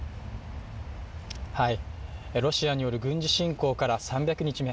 ロシアによる軍事侵攻から３００日目。